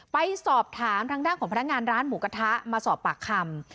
ไปสอบถามทางด้านของพนักงานร้านหมูกระทะมาสอบปากคำ